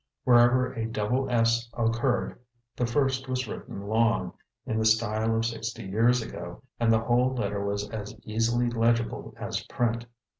Wherever a double s occurred, the first was written long, in the style of sixty years ago; and the whole letter was as easily legible as print.